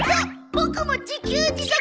ボクも自給自足。